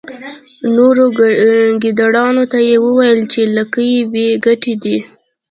نورو ګیدړانو ته یې وویل چې لکۍ بې ګټې دي.